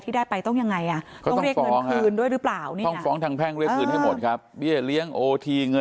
ทีนี้ก็ต้องถูกดำเนินคดีค่ะ